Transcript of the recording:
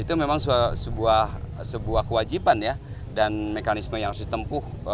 itu memang sebuah kewajiban ya dan mekanisme yang harus ditempuh